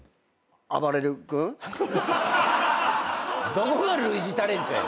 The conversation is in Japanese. どこが類似タレントや！？